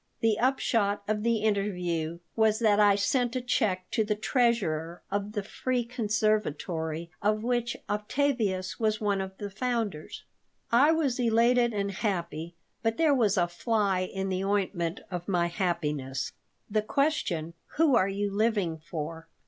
The upshot of the interview was that I sent a check to the treasurer of the free conservatory of which Octavius was one of the founders I was elated and happy, but there was a fly in the ointment of my happiness. The question, "Who are you living for?"